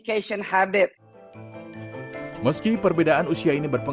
ketika dalam hubungan kita dengan orang yang benar